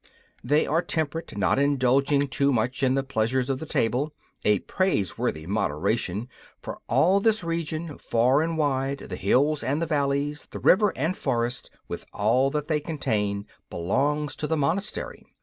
They are temperate, not indulging too much in the pleasures of the table a praiseworthy moderation, for all this region, far and wide the hills and the valleys, the river and forest, with all that they contain belongs to the monastery.